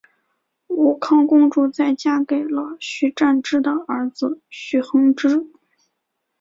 武康公主在嫁给了徐湛之的儿子徐恒之。